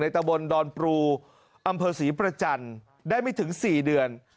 ตะบนดอนปรูอำเภอศรีประจันทร์ได้ไม่ถึง๔เดือน